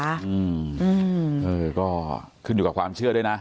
อืมเออก็ขึ้นอยู่กับความเชื่อด้วยนะ